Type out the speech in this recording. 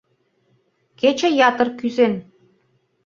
Кече ятыр кӱзен.